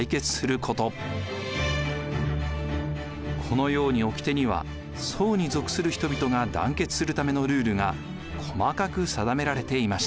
このようにおきてには惣に属する人々が団結するためのルールが細かく定められていました。